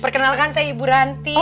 perkenalkan saya ibu ranti